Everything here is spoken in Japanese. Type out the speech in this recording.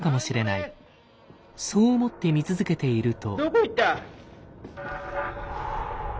そう思って見続けていると。